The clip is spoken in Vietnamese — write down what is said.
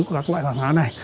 của các loại hỏa má này